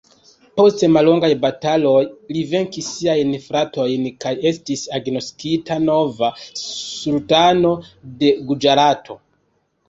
Post mallongaj bataloj li venkis siajn fratojn kaj estis agnoskita nova sultano de Guĝarato.